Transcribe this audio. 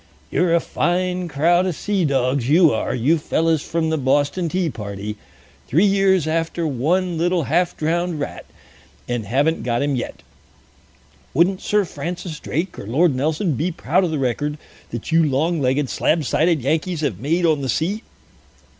"You're a fine crowd of sea dogs, you are, you fellows from the Boston Tea Party. Three years after one little half drowned rat, and haven't got him yet. Wouldn't Sir Francis Drake or Lord Nelson be proud of the record that you long legged, slab sided Yankees have made on the sea!"